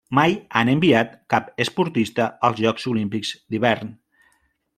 Mai han enviat cap esportista als Jocs Olímpics d'Hivern.